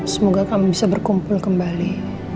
semoga kamu bisa berkumpul kembali